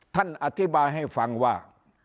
ท่านอธิบายให้ฟังว่า